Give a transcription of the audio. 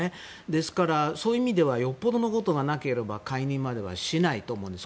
ですから、そういう意味ではよっぽどのことがなければ解任まではしないと思うんです。